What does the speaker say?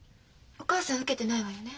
お母さん受けてないわよね？